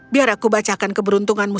biar aku bacakan keberuntunganmu